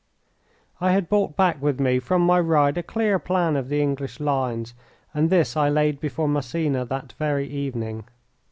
I had brought back with me from my ride a clear plan of the English lines, and this I laid before Massena that very evening.